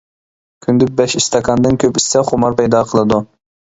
كۈندە بەش ئىستاكاندىن كۆپ ئىچسە خۇمار پەيدا قىلىدۇ.